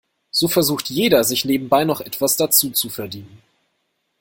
So versucht jeder, sich nebenbei noch etwas dazuzuverdienen.